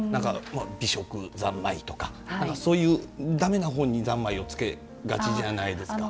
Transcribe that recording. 美食三昧とかそういうだめなほうに三昧をつけがちじゃないですか。